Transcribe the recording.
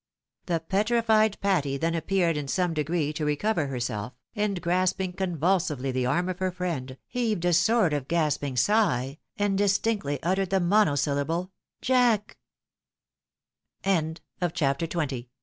The petrified Patty then appeared in some degree to re cover herself, and grasping convulsively the arm of her friend, heaved a sort of gasping sigh, and distinctly uttered the mono syllable " Jack I " PATTY DISCOVERS AH